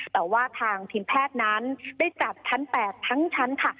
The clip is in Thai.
แต่ว่าทางทีมแพทย์นั้นได้จัดชั้น๘ทั้งชั้นค่ะ